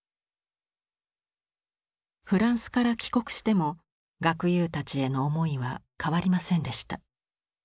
フランスから帰国しても学友たちへの思いは変わりませんでした。